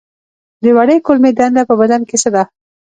د وړې کولمې دنده په بدن کې څه ده